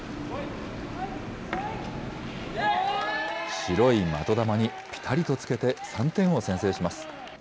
白い的球にぴたりとつけて３点を先制します。